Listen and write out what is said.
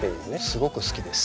すごく好きです。